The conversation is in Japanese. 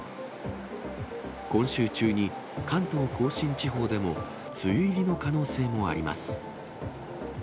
今週中に関東甲信地方でも梅雨入りの可能性もあります。